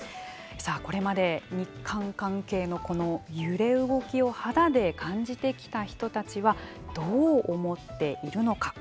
これまで日韓関係の揺れ動きを肌で感じてきた人たちはどう思っているのか。